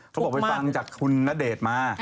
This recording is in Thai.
เขาบอกไปฟังจากคุณณเดชน์มา